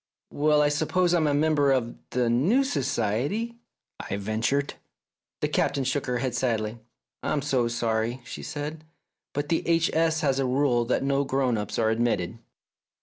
"Well, I suppose I'm a member of the new society?" I ventured. The Captain shook her head sadly. " I'm 160 THE DAY BEFORE YESTERDAY so sorry," she said, "but the H. S. has a rule that no grown ups are admitted